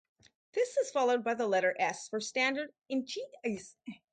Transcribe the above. This is followed by the letter S for standard InChIs.